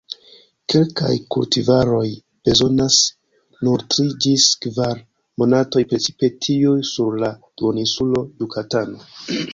Kelkaj kultivaroj bezonas nur tri ĝis kvar monatoj, precipe tiuj sur la duoninsulo Jukatano.